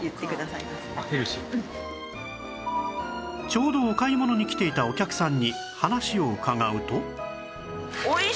ちょうどお買い物に来ていたお客さんに話を伺うと